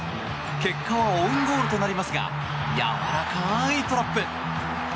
結果はオウンゴールとなりますがやわらかいトラップ。